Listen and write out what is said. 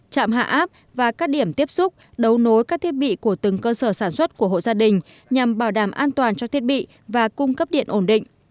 chạm hạ áp và các điểm tiếp xúc đấu nối các thiết bị của từng cơ sở sản xuất của hộ gia đình nhằm bảo đảm an toàn cho thiết bị và cung cấp điện ổn định